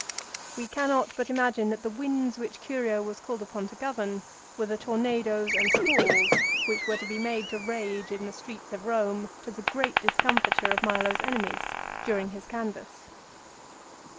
1 We cannot but imagine that the winds which Curio was called upon to govern were the tornadoes and squalls which were to be made to rage in the streets of Eome to the great discomfiture of Milo's enemies during his canvass.